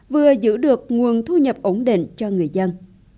vừa giữ được nguồn thu nhập ổn định cho người dân